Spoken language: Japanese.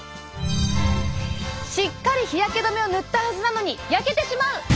しっかり日焼け止めを塗ったはずなのに焼けてしまう！